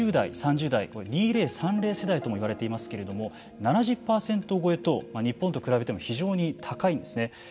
２０代、３０代２０３０世代ともいわれていますけれども７０％超えと日本と比べても非常に高いんですね。